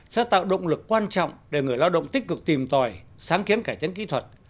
sẽ tạo động lực quan trọng để người lao động tích cực tìm tòi sáng kiến cải tiến kỹ thuật